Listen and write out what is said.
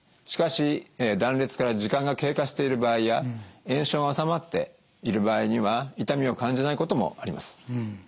しかし断裂から時間が経過している場合や炎症が治まっている場合には痛みを感じないこともあります。